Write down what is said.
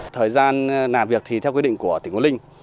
thời gian làm việc thì theo quyết định của tỉnh quân linh